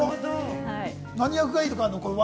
何役がいいとかあるの？